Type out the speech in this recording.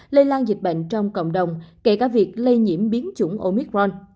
lây lan dịch bệnh trong cộng đồng kể cả việc lây nhiễm biến chủng omicron